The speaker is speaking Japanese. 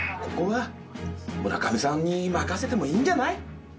ここは村上さんに任せてもいいんじゃない？